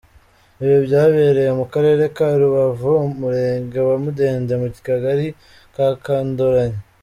Ibi byabereye mu Karere ka Rubavu, Umurenge wa Mudende mu Kagali ka Kandoranyi.